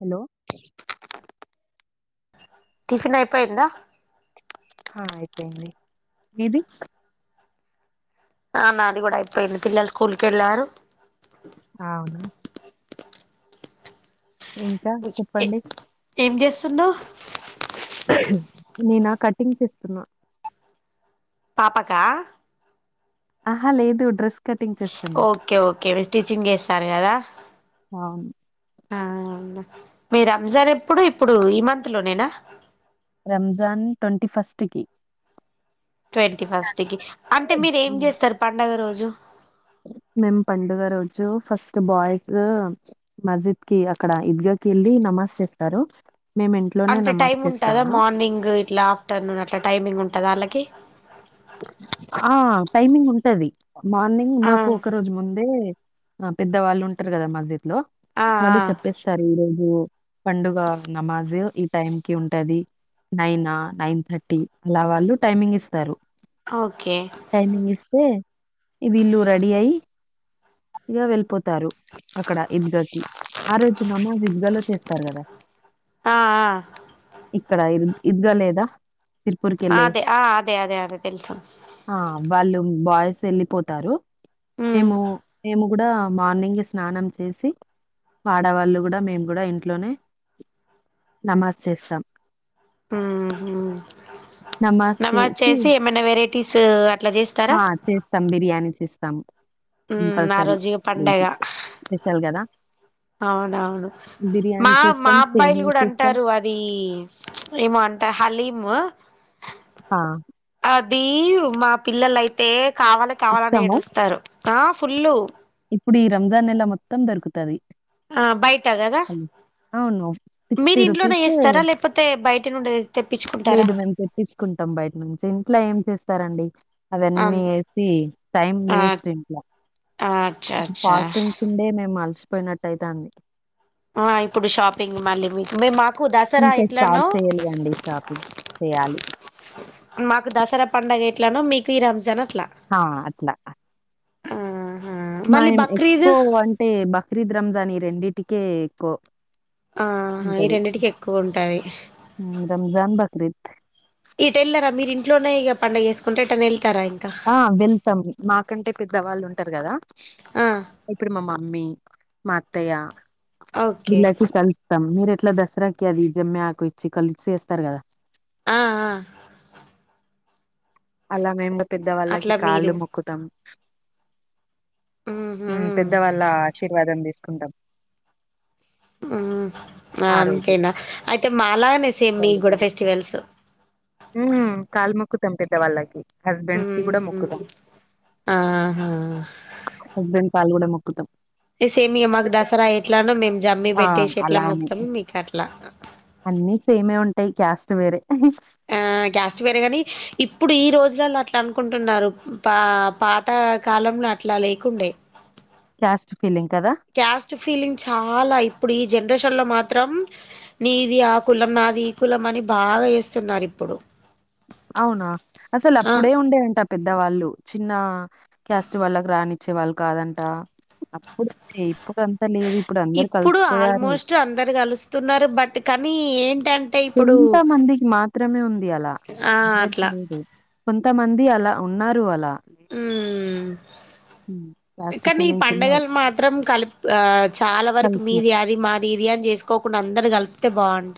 Hello tiffin అయిపోయిందా హా అయిపోయింది మిది ఆ నాది కూడా అయిపోయింది పిల్లలు స్కూల్కి ఎలారూ అవును ఇంకా చెప్పండి ఏం చేస్ తున్నావ్ నేనా కటింగ్ చేస్తున్నా పాపకా ఆహా లేదు డ్రెస్ కటింగ్ చేస్తున్నా ఓకే ఓకే మీరు స్టిచ్చింగ్ చేస్తాారు కదా అవును అ మీరు రంజాన్ ఎప్పుడు ఇప్పుడు ఈమంత్ లోనేనా రంజాన్ ట్వంటీ ఫస్ట్కిి ట్వంటీ ఫస్ట్ కి అంటే మీరు ఏం చేస్తారు పండుగ రోజు జూ మేమ్ పండుగ రోజు ఫస్ట్ బాయ్స్ మస్జిద్ కి అక్కడ ఈద్గకి వెళ్ళి నమాజ్ చేస్తారు మేము ఇంట్లోనే అంత నమాజ్ టైమ్ ఉంటాదా చేస్తాము మార్నింగ్ ఇట్లా ఆఫ్టర్నూన్ అట్లా టైమింగ్ ఉంటద వాళ్ళకి ఆ టైమింగ్ ఉంటది మార్నింగ్ ఆ మాకు ఒక రోజు ముందే ఆ పెద్దవాళ్ళు ఉంటారు కదా మళ్ లో ఆ వాళ్ళు ఆ చెప్పేస్తారు ఇరో జ్ ఉమ్ పండుగ నమాజ్ ఈ టైం కి ఉంటది నైన్ న ఆ థర్టీ కి అలా వాళ్ళు టైమింగ్ ఇస్తారు ఆ టైమింగ్ ఇస్తే ఈ వీ ల్లు రెడీ అయి ఇగ వెళ్పోత్ తా రు అక్కడ ఇద్గకి ఆ రోజు నమాజ్ ఈద్గలో చేస్తారు కదా ఆ ఇక్కడ ఇద్గ లేదా తిరుపూర్ ఆ కెళ్ళి అదే ఆ అదే అదే అదే తెలుసు ఆ వాలు బాయ్ వెళ్లిపోతారు మ్మ్ మేము కూడా మార్నింగ్ స్నానం చేసి ఆడవాళ్ళు కూడా మేము కూడా ఇంట్లోనే నమాజ్ చేస్తాం ఉమ్ ఉమ్ నమాజ్ చేసి ఏమైన్నా వేరే టిస్ ఆ చేస్తాం బిర్యానీ చేస్ తమ్ ఉమ్ ఆ కంపల్సరీ రోజు ఇగ రజ పండగ స్పెషల్ కదా అవునవును మా మా చేస్తాం, అబ్బాయిలు సేమియా కూడా చేస్తాం. అంటారు అది ఏమో అంటారు హలీ మ ఆ అదివ్ మా పిల్లల అయితే కావాలి కావాలని ఇష్టము. ఏడుస్తారు ఆ ఫుల్లు ఇప్పుడు ఈ రంజాన్ నెల మొత్తం దొరుకుతది ఆ బయట కదా అవును మీరు సిక్స్టీ ఇంట్లోనే రూపీస్ చేస్తారా లేకపోతే బయట నుండి తెప్పించుకుంటారా లేదు మేము తెప్పించుకుంటాం బయట్ నుంచి ఇంట్లో ఏం చేస్తారండి అం అవన్నీ యేసి టైం ఆ వేస్ట్ ఇంట్లా అచ్చా అచ్చా ఫాస్టింగ్స్ ఉండే మేము అల్స్ పోయినట్టు అయితంది ఆ ఇప్పుడు షాపింగ్ మళ్ళీ మీకు మేమ్ మా కు దసరా ఇంకా ఎంట్లనో స్టార్ట్ చేయలేదండి షాపింగ్. చేయాలి. మాకు దసరా పండగ ఎ ఎట్లనో మీక్ ఇ రమ్ జాన్ ఆ అట్లా ఆహా మళ్ళీ మైమ్ బక్రీద్ ఎక్కువంటే బక్రీద్ రంజాన్ ఈ రెండిట్ కే కో ఆ ఈ రెండింటికి ఎక్కువ ఉంటది హ్మ్. రంజాన్, బక్రీద్. ఎట్ యేళ్లరా మీరు ఇంట్లోనే ఇక పండగ చేేసుకుంటే ఎట్ అన్న ఎల్ ఆ వెల్తమ్ మా కంటే పెద్దవాళ్ళు ఉంటారు కదా ఆ ఎప్పుడు మమ అమ్మీ మా అత్తయ్య ఓకే వీళ్లకి కలుస్తమ్ మీర్ ఇట్లా దసరాకి అది జమ్మి ఆకు ఇచ్చి కలిసేస్తారు కదా ఆ ఆ అలా మేమ్ పెద్దవాళ్ళకి అట్లా మీరు కాళ్ళు మొక్కుతాం ఉహు హ్మ్ పెద్ద వాళ్ళ ఆశీర్వాదం దీస్ కుంటమ్ హ్మ్ అంతేనా అయితే మాలాాగానే సేమ్ మీ గూడ ఫెస్టివల్స్ తమ్ పిద్ద వాల్ళకి హస్బెండ్స్ కి కూడా ఉహు మొక్కుతాం ఆహా కాల్ కూడా మొక్కుతామ్ సేమ్ ఇగ మాకు దసరా ఎట్లానో మేము జమ్మి ఆ పెట్టేసి ఎట్లా మొక్కుతామో మీకు అట్లా అన్నిీ సేమే ఉంటాయి క్యాస్ట్ వేరే ఆ క్యాస్ట్ వేరే గాని ఇప్పుడు ఈ రోజులలో అట్లా అనుకుంటున్నారు పా పాత కాలంలో అట్లా లేకుండే క్యాస్ట్ ఫీలింగ్ కదా క్యాస్ట్ ఫీలింగ్ చాలా ఇప్పుడు ఈ జన్ షన్ లో మాత్రం నీది ఆ కులం నాది ఈ కులం అని బాగా చేస్తున్నారు ఇప్పుడు అవునా అసలు ఆ అప్పుడే ఉండే అంట పెద్దవాళ్ళు చిన్న క్యాస్ట్ వాళ్ళకి రానిచ్చే వాళ్ళు కాదంట అప్పుడు ఇప్పుడు ఆల్మోస్ట్ అందరు కలుస్తున్నారు బట్ కానీ ఏంటి కొంతమందికి మాత్రమే ఉంది అలా ఆ అందరికి అట్లా లేదు కొ కొంతమంది అలా ఉన్నారు అలా ఉ హ్మ్. క్యాస్ట్ కానీ ఈ ఫీలింగ్సున్నాయి. పండగలు మాత్రం కలిపి ఆ చాలా వరకు కలిసి. మీది అది మాది ఇది అని చేసుకోక మ అందరు కలిపితే బాగుండి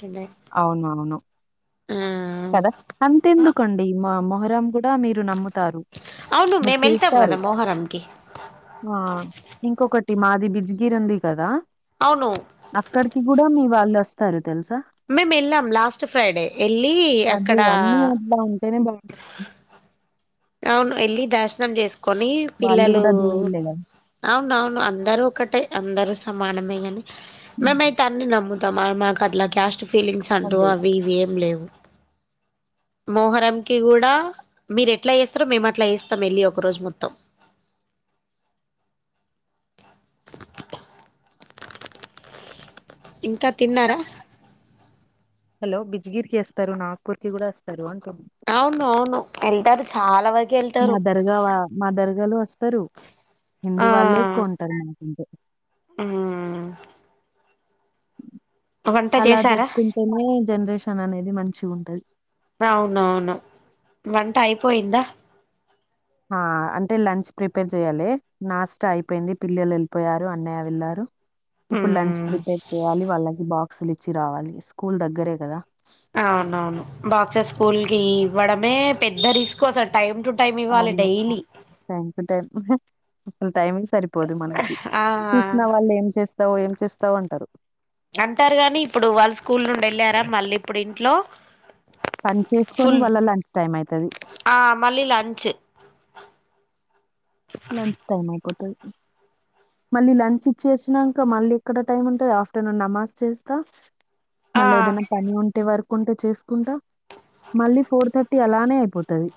అవును అవును కద ఆ అంతెందుకండి మా అమ్మ అరం మీరు నమ్ముతారు అవును మీరు మేము వెళ్తాం కదా చేస్తారు మొహరంకి ఆ ఇంకొకటి మాది బి జ్గిర్ ఉంది కదా అవును అక్కడికి కూడా మీ వాళ్ళు వస్త వస్తారు తెలుసా మేము వెళ్ళాం లాస్ట్ ఫ్రైడే వెళ్ళి అదే అక్కడ అన్నీ అట్లా ఉంటేనే బావుంటది. వాళ్ళు అవును ఎల్ దర్శనం చేస్కు కొన్ని వాళ్ళు పిల్లలు గూడా దేవుళ్ళే గదా! అవును అవును అందరు ఒకటే అందరు సమానమే కాని మేమతే అన్ని నమ్ము మా కట్లా క ట్ ఫీలింగ్స్ అంటవు అంతే ఇగ. అవి ఇవి ఏం లేవు మోహరం కి కూడా మీరు ఎక్క అట్లా వేస్తారో మేము అట్లా వస్తాం వెళ్ళి ఒక రోజు మొత్తం ఇంకా తిన్నారా హలో బిజ్గిరికిి వస్తారు నాగ్పూర్ కి కూడా వస్తారు అంట అవును అవును ఎల్తారు చాలా వర మాదర్గావా మాదర్గాలు వస్త తరు హిందు వాళ్ళే కొంటారు మనకు ఆ వంట అలా చేసారా జరుపుకుంటేనే జనరేషన్ అనేది మంచి ఉంటది అవునవును వంట అయిపోయిందా ఆ అంటే లంచ్ ప్రిపేర్ చెయాలి నాస్టా అయిపోయింది పిల్లలు వెళ్ళిపోయారు అన్నయ్య వెళ్ళారు ఇప్పుడు లంచ్ మ్మ్ ప్రిపేర్ చెయాలి వాళ్ళకి బాగు అక్సలు ఇచ్చి రావాలి స్కూల్ దగ్గరే కదా అవునవును బాక్స స్కూల్ కి వడ ఏ పెద్ద రిస్క్ అస టైమ్ టు టైం ఇవ్వాలి అవును డైలీ థ్యాంక్ [unintelligible] టైమే సరిపోదు మనకి ఆ చూసిన వాళ్ళు ఏం చేస్ నువ్ ఏం చేస్తావ్ అంటారు అంటారు గాని ఇప్పుడు వాళ్ స్కూల్ నుండి వెళ్ళారా మళ్ళీ ఇప్పుడు ఇంట్లో పని చేసుకొని ఫుల్ వాళ్ళ లంచ్ టైం అయితది ఆ మళ్ళీ లంచ్ లంచ్ టైమ్ అయిపోతది మళ్ళీ లంచ్ ఇచ్చేసినంక మళ్ళీ ఎక్కడ టైం ఉంటది ఆఫ్టర్నూన్ నమాజ్ చేస్తా ఆ మళ్ళా ఏదైనా పని ఉంటే వర్ ఉంటె చేసుకుంటా మళ్ళీ ఫోర్ థర్ టి అలానే అయిపోతది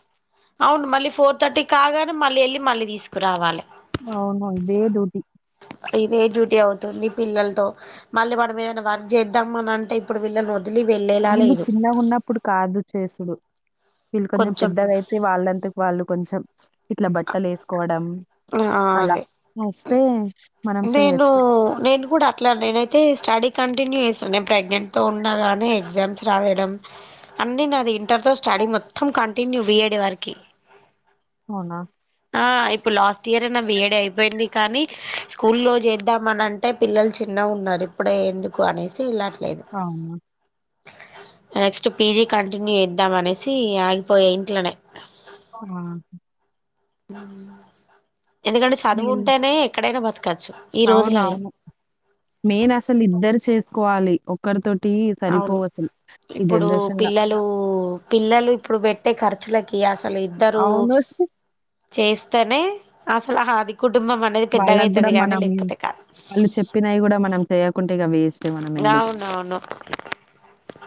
అవును మళ్ళీ ఫోర్ థర్టీ కాగానే మళ్ళీ ఎళ్ళి మళ్ళీ తీసుకురావాలే అవును ఇదే డ్యూటి ఇదే డ్యూటీ అవుతుంది పిల్లలతో మళ్ళీ మనం ఏదైనా వర్క్ చేద్దామని అంటే ఇప్పుడు వీల్లను వీళ్ళు చిన్నగున్నప్పుడు కాదు చేసుడు వీళ్ళు కొంచెం పెద్దగాయితే వాళ్ళంతకు వాళ్ళు కొంచెం ఇట్లా బట్టలు వేసుకోవడం ఆ అ అలా అదే వస్తే మనం నేను చెయొచ్చు నేను కూడా అట్లా నేనైతే స్టడీ కంటిన్యూ చెస్ సో నేను ప్రెగ్నెంట్ తో ఉండగానే ఎగ్జామ్స్ రాయడం అన్ని నాది ఇంటర్తో స్టడీ మొత్తం కంటిన్యూ బిఏడి వరికి అవునా ఆ ఇప్పు లాస్ బిఏడీ అయిపోయింది కానీ స్కూల్ లో చేద్దామనంటే పిల్లలు చిన్నగా ఉన్నారు ఇప్పుడే ఎందుకు అనేసి ఇలా అవునా నెక్స్ట్ పీజీ కంటిన్యూ చేద్దాం అనేసి ఆగిపోయ ఇంట్లోనే ఆ, [inaudible] ఎందుకంటే చదువు ఉంటేనే ఎక్కడైనా బ అవునవును నేన్ అసలు ఇద్దరు చేసుకోవాలి ఒక్కరితోటి అవును సరిపోవసలు ఈ ఇప్పుడు జనరేషన్‌ల. పిల్లలూ పిల్లలు ఇప్పుడు పెట్టే ఖర్చులకి అసలు ఇద్దరూ అవును. చేస్తేనె అసలు హాదిక్ కుటుంబం అనేది వాళ్ళకి గూడా పెద్దగయితది గానీ, మనం లేకపోతే కాదు. చెయ్యక్ కుంటేగా వేస్టే మనం ఎందుకు? అవునవును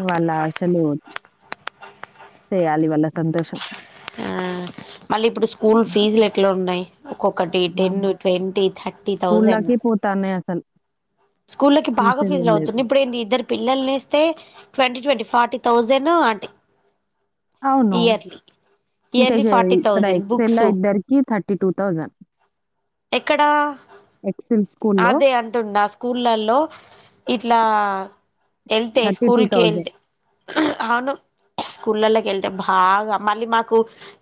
వాల్ హాస్టల్ పోవచ్చు సేయాలి వాళ్ళ సంతోషం. ఆ మళ్ళీ ఇప్పుడు స్కూల్ ఫీజులు ఎట్లున్నాయ్? ఒక్కొక్కటి టెన్ అవును. Twenty thirty thousand. స్కూల్‌లకి పోతాన్నాయి అసలు. స్కూళ్ల్లోకి బాగా చేసేదేం ఫీజులు లేదు. అవుతున్నాయి ఇప్పుడు ఏంది ఇద్దరు పిల్లల్నేస్తే ట్వంటీ ట్వంటీ ఫార్టీ థౌజన్ను అంటె అవును ఇంకా ఇయర్లీ ఇక ఫార్టీ ఇక్కడ థౌజండ్ ఇప్పుడెలా బుక్స్ ఇద్దరికి థర్టీ టూ థౌజండ్ ఎక్కడ స్కూల్‌లో అదే అంటుండా స్కూళ్లల్లో ఇట్లా ఎళ్తే స్కూల్ కి ఎళ్తే అవును స్కూళ్లల్లోకెళ్తే భాగా మళ్ళీ మాకు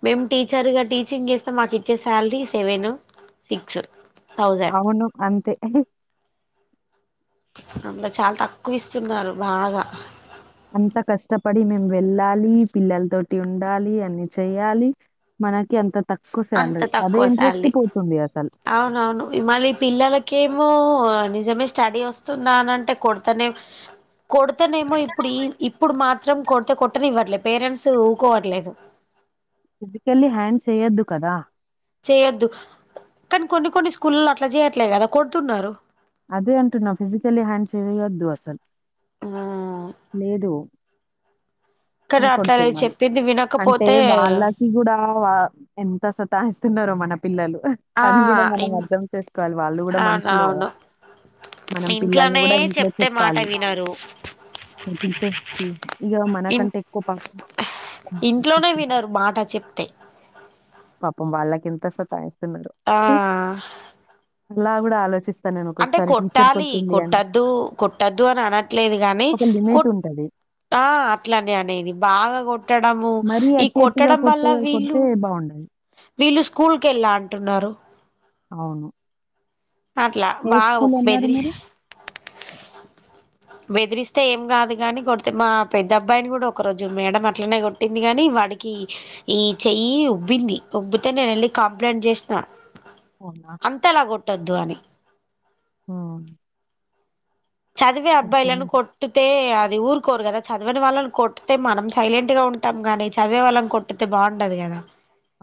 మేము టీచర్గా టీచింగ్ చేస్తే మాకు ఇచ్చే స్యాలరీ సెవెను సిక్స్. థౌజండ్ అవును అంతె అభి అబ్బా చాల తక్కువిస్తున్నారు బాగ. అంత కష్టపడి మేము వెళ్ళాలి పిల్లలతోటి ఉండాలి అన్ని చెయ్యాలి మనకి అంత తక్కువ అంత సాలరీ. అదే తక్కువ ఇంట్రెస్ట్ స్యాలరీ పోతుంది అసలు. అవునవును ఇ మళ్ళీ పిల్లలకె మో నిజమే స్టడీ వస్తున్నానంటే కొడతనే కొడతనేమో ఇప్పుడు ఈ ఇప్పుడు మా త్రం కొడితే కొట్టనివ్వట్లేదు పేరెంట్స్ ఊకోవట్లేదు. ఫిజికల్లీ హ్యాండ్ చేయొద్దు కదా! చేయొద్దు కానీ, కొన్ని కొన్ని స్కూల్లో అట్లా చేయట్లేదు కదా కొడుతున్నారు. అదే అంటున్నా ఫిజికలీ హ్యాండ్ చేయద్దు అస్సల్, లేదు. కానీ అని అట్లా కొడుతున్నారు చెప్పింది అంటే వినకపోతే వాళ్ళకి కూడా వా ఎంత సతాయిస్ తున్నారో మన పిల్లలు ఆ అది కూడా మనం ఇన్ అర్థం చేసుకోవాలి వాళ్ళు కూడ మనుషులే కదా, అవునవును మనం పిల్లల్ని ఇంట్లోనే కూడా ఇంట్లో చెప్తే మాట చెప్పాలి వినరు ఈ టీచర్స్కి ఇగ మనకంటే పాపం ఇంట్లోనె వినరు మాట చెప్తే పాపం వాళ్లకెంత సతాయిస్ ఆ అలా కూడా ఆలోచిస్త అంటే కొట్టాలి కొట్టద్దు కొట్టద్దు అని అనట్లేదు గానీ ఒక లిమిట్ కొట్ ఉంటది. ఆ అట్లా అనేది బాగా కొట్టడము మరీ ఈ అట్టి అట్టిగా కొట్టడం వల్ల కొట్టే వీళ్ళు కొడితే బావుండదు. వీళ్ళు స్కూల్కి వెళ్ళా అంటున్నారు అవును అట్లా ఏ బాగా స్కూల్ ఒక అన్నారు బెదిరి మీరు? బెదిరిస్తే ఏం కాదు కాగాని కొడితే మా పెద్ద అబ్బాయిని కూడా ఒక రోజు మేడం అట్లనే కొట్టింది కాని వాడికి ఈ చెయ్యి ఉబ్బింది ఉబ్బితే నేను వెళ్ళి కంప్లైంట్ చేసిన అవునా! అంతలా కొట్ ఉద్వాని ఆ చదివి అబ్బాయిలను కొట్టితే అది ఊరుకోరు కదా చదివని వాళ్ళని కొట్తే మనం సైలెంట్ గా ఉంటాం గానీ చదివే వాళ్ళని కొట్తే బాగుండదు కదా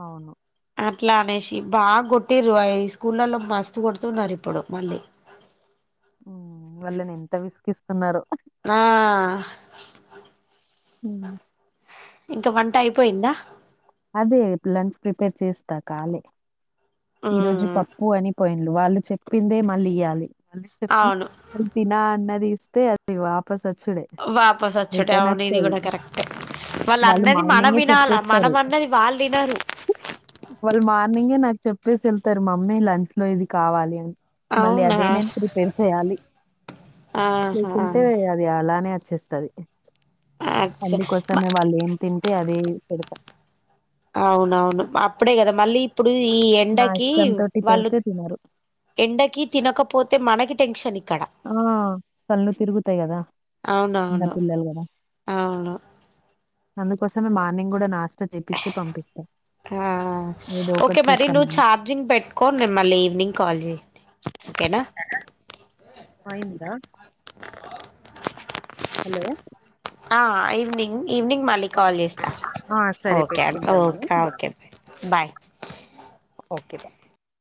అవును అట్లా అనేసి బాగా కొట్టిరు అ స్కూలలో మస్తు కొడుతున్నారు ఇప్పుడు మళ్ళీ వాళ్ళని ఎంత విసిగిస్తున్నారో ఆ ఉమ్ ఇంక వంట అయిపోయిందా అదే లంచ్ ప్రిపేర్ చేస్తా కాలీ ఈ రోజు పప్పు అని పోయింది వాళ్ళు చెప్పిందే మళ్ళీ ఇయ్వాలి మళ్ళీ చెప్ప అవును తిన అన్నది తే అది వాప్ వాపస్ వచ్చటేమని ఇది ఒస్తది. కూడా కరెక్టే వాళ్ళు అన్నది మనం మార్నింగే వినాల చెప్పేస్తారు. మనం అన్నది వాళ్ళు వినరు వాళ్ళు మార్నింగే నాకు చెప్పేసి వెళ్తారు మమ్మీ లంచ్ లో ఇది కావాలి అని మళ్ళీ అవునా అదే నేను ప్రీపేర్ చేయాలి ఆహా చేసుంటే అది అలానే చ్చేస్తది అచ్చా తల్లి కోసమే వాళ్ళు ఏం తింటే అదే పెడతా అవునవును అప్పుడే కదా మళ్ళీ ఇప్పుడ్ డు ఈ నా ఎండకి ఇష్టంతోటి వాళ్ళు పెడితే తినరు. ఎండకి తినకపోతే మనకి టెన్షన్క్ ఆ కళ్ళు తిరుగుతాయి కదా చిన్న అవునవును పిల్లలు కాదా అవును అందుక వస్త స మనింగ్ కూడా నా ఆ ఏదో ఒకటి ఓకే మరి నువ్వు చేస్తామని. ఛార్జింగ్ పెట్టుకో మిమళ్ళీ ఈవినింగ్ కాల్ చే ఓకేనా అయిందా హలో ఆ ఈవనింగ్ ఈవనింగ్ మాలిక్ కాల్ చేస్తా ఆ! సరే ఆ! ఓకే అండి పెట్టుకుంటాము. Okay bye. Okay bye okay బా